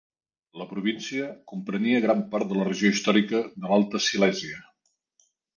La província comprenia gran part de la regió històrica de l'Alta Silèsia.